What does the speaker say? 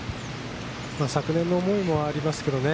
昨年の思いもありますけどね。